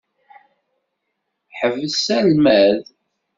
Ḥbes almad!